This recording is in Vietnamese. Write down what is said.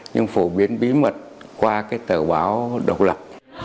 nhưng phổ biến bí mật qua cái tờ báo độc lập